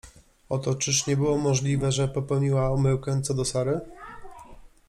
Oto czyż nie było możliwe, że popełniła omyłkę co do Sary?